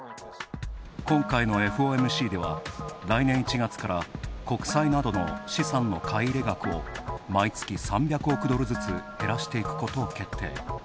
今回のＦＯＭＣでは、来年１月から国債などの資産の買い入れ額を毎月３００億ドルずつ減らしていくことを決定。